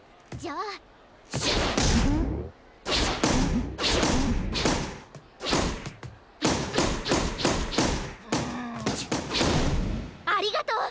ありがとう！